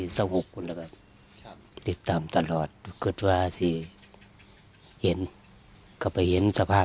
สะหกคนแล้วแบบติดตามตลอดเกิดว่าสิเห็นก็ไปเห็นสภาพ